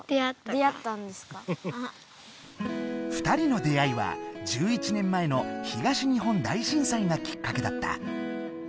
２人の出会いは１１年前の東日本大震災がきっかけだった。